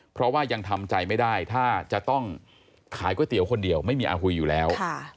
เพราะว่ายังทำใจไม่ได้ถ้าจะต้องขายก๋วยเตี๋ยวคนเดียวไม่มีอาหุยอยู่แล้ว